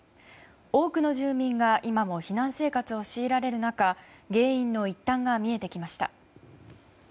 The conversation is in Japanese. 多くの住民が今も避難生活を強いられる中原因の一端が見えてきました。